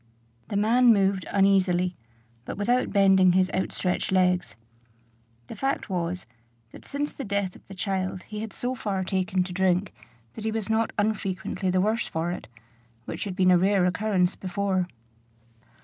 The man moved uneasily, but without bending his outstretched legs. The fact was, that since the death of the child he had so far taken to drink that he was not unfrequently the worse for it; which had been a rare occurrence before.